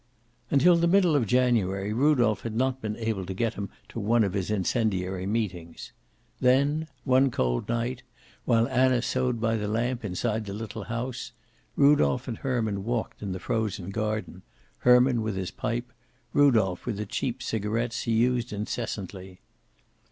Until the middle of January Rudolph had not been able to get him to one of his incendiary meetings. Then one cold night while Anna sewed by the lamp inside the little house, Rudolph and Herman walked in the frozen garden, Herman with his pipe, Rudolph with the cheap cigarets he used incessantly.